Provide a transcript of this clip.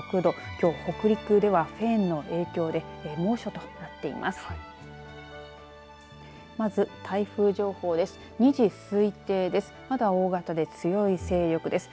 きょう北陸ではフェーンの影響で猛暑となっています。